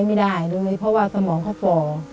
ไม่ได้เลยเพราะว่าสมองเขาป่อ